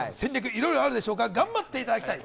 いろいろあるでしょうから、頑張っていただきたい。